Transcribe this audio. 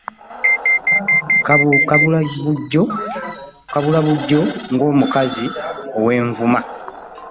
Kabula buggyo ng'omukazi ow'envuma .